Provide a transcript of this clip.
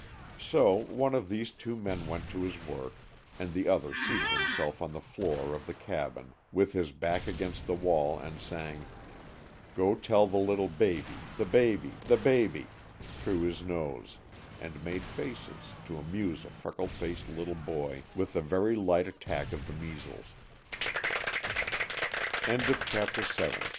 So one of these two men went to his work, and the other seated himself on the floor of the cabin with his back against the wall and sang "Go Tell the Little Baby, the Baby, the Baby," through his nose, and made faces, to amuse a freckle faced little boy with a very light attack of the measles. IX. PETER GIVES WARNING THE weather turned extremely cold.